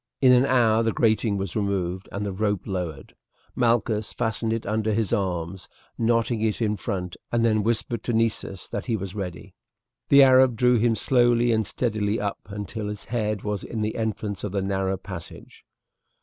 In an hour the grating was removed and the rope lowered. Malchus fastened it under his arms, knotting it in front, and then whispered to Nessus that he was ready. The Arab drew him slowly and steadily up until his head was in the entrance of the narrow passage.